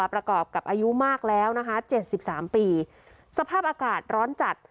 ประกอบกับอายุมากแล้วนะคะ๗๓ปีสภาพอากาศร้อนจัด